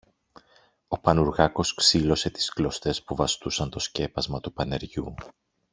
Ο Πανουργάκος ξήλωσε τις κλωστές που βαστούσαν το σκέπασμα του πανεριού